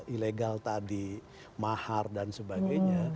ilegal tadi mahar dan sebagainya